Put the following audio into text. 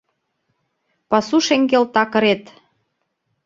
Пасу шеҥгел такырет -